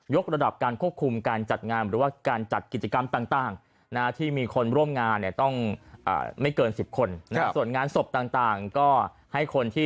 ยกระดับการควบคุมการจัดงานหรือว่าการจัดกิจกรรมต่างต่างนะฮะ